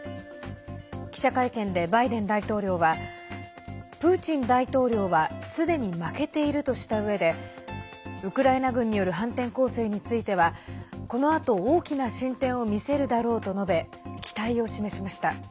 記者会見でバイデン大統領はプーチン大統領はすでに負けているとしたうえでウクライナ軍による反転攻勢についてはこのあと大きな進展を見せるだろうと述べ期待を示しました。